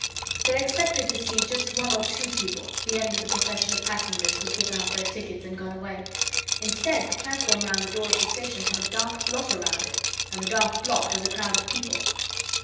They expected to see just one or two people, the end of the procession of passengers who had given up their tickets and gone away. Instead, the platform round the door of the station had a dark blot round it, and the dark blot was a crowd of people.